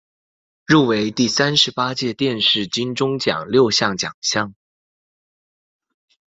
入围第三十八届电视金钟奖六项奖项。